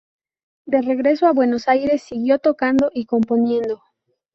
De regreso a Buenos Aires siguió tocando y componiendo.